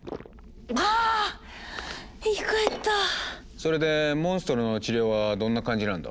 それでモンストロの治療はどんな感じなんだ？